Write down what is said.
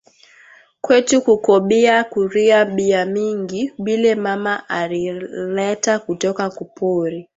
Kwetu kuko bia kuria bia mingi bile mama ari leta kutoka ku pori